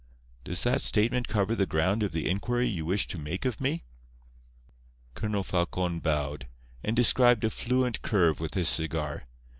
Does that statement cover the ground of the inquiry you wished to make of me?" Colonel Falcon bowed, and described a fluent curve with his cigar.